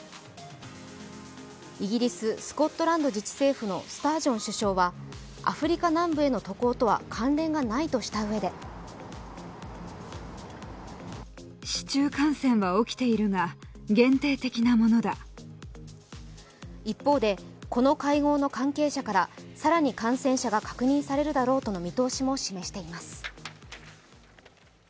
イギリス・スコットランド自治政府のスタージョン首相はアフリカ南部への渡航とは関連がないとしたうえで一方で、この会合の関係者から更に感染者が確認されるだろうとの見通しも示しています。